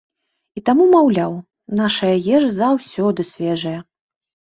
І таму, маўляў, нашая ежа заўсёды свежая.